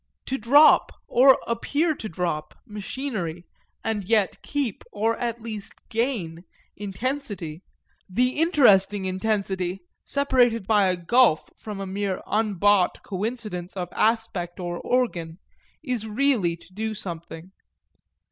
To drop, or appear to drop, machinery and yet keep, or at least gain, intensity, the interesting intensity separated by a gulf from a mere unbought coincidence of aspect or organ, is really to do something.